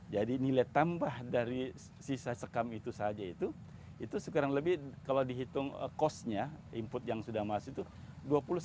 jadi nilai tambah dari sisa sekam itu saja itu itu sekarang lebih kalau dihitung costnya input yang sudah masih itu rp dua puluh dua puluh tiga juta